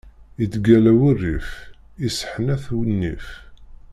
Ittgalla wurif, isseḥnat nnif.